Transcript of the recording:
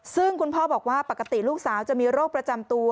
ซึ่งคุณพ่อบอกว่าปกติลูกสาวจะมีโรคประจำตัว